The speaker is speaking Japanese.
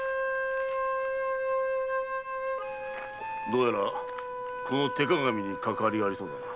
どうやらこの手鏡にかかわりがありそうだな。